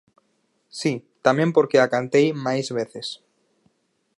Si, tamén porque a cantei máis veces.